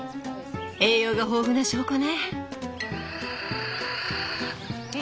栄養が豊富な証拠ね。